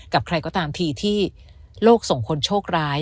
กับใครก็ตามทีที่โลกส่งคนโชคร้าย